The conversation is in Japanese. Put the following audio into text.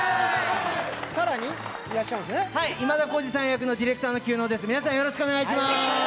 今田耕司さん役のディレクターの及能です。